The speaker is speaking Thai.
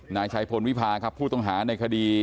นายชัยพลวิพาครับผู้ต้องหาในคดี